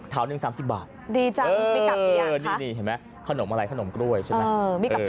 เท้าเนื้อ๓๐บาทดีจังมีกับกี่อย่างนี่ขนมกล้วยใช่ไหม